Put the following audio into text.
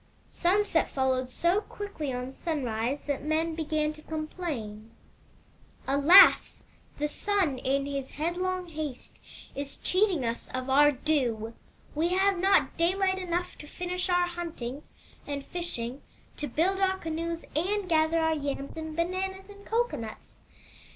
Sunset followed so quickly on sunrise that men began to complain: " *Alas! The Sun, in his headlong haste, is cheating us of our due. We have not daylight enough to finish our hunting and fishing, to build our canoes, and gather our yams and bananas and cocoanuts.